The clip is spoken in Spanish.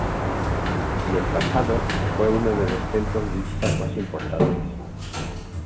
En el pasado, fue uno de los templos budistas más importantes.